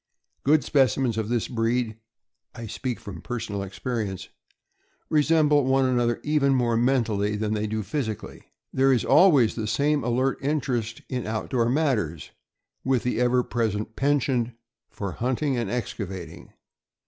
Good specimens of this breed (I speak from personal experience) resemble one another even more mentally than they do physically. There is always the same alert interest in outdoor matters, with the ever present penchant for hunting and excavating.